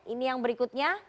ini yang berikutnya